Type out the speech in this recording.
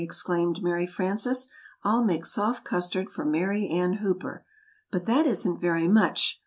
exclaimed Mary Frances; "I'll make soft custard for Mary Ann Hooper. But that isn't very much.